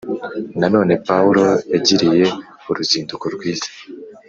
Nanone Pawulo yagiriye uruzinduko rwiza